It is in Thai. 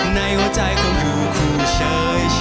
ในหัวใจคงอยู่คู่เฉยชม